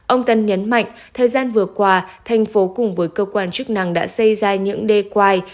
ông tân nhấn mạnh thời gian vừa qua thành phố cùng với cơ quan chức năng đã xây ra những đê quai